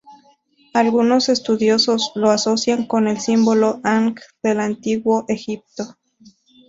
Algunos estudiosos lo asocian con el símbolo Anj del Antiguo Egipto.